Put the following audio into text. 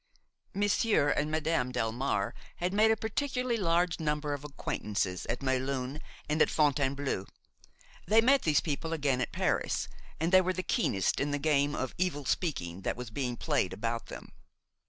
Monsieur and Madame Delmare had made a particularly large number of acquaintances at Melun and at Fontainebleau. They met these people again at Paris, and they were the keenest in the game of evil speaking that was being played about them.